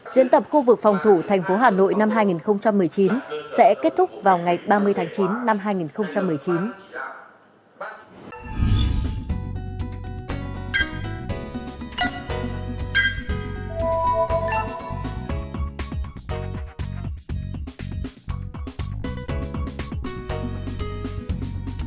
diễn tập khu vực phòng thủ thành phố hà nội năm hai nghìn một mươi chín sẽ kết thúc vào ngày ba mươi tháng chín năm hai nghìn một mươi chín